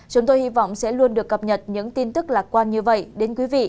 chúng tôi hy vọng sẽ luôn được cập nhật những tin tức lạc quan như vậy đến quý vị